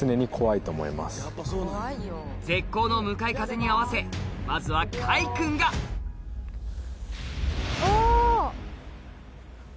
絶好の向かい風に合わせまずは開君がお。